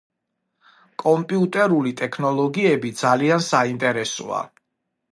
კომპიუტერული ტექნოლოგიები ძალიან საინტერესოა